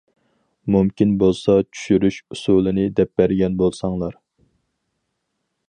مۇمكىن بولسا چۈشۈرۈش ئۇسۇلىنى دەپ بەرگەن بولساڭلار.